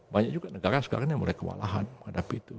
banyak juga negara sekarang yang mulai kewalahan menghadapi itu